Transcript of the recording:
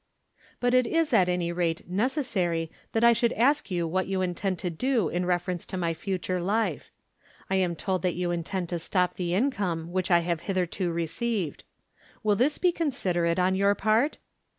"But it is at any rate necessary that I should ask you what you intend to do in reference to my future life. I am told that you intend to stop the income which I have hitherto received. Will this be considerate on your part?"